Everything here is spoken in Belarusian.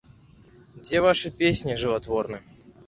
Дзе вашы песні жыватворны?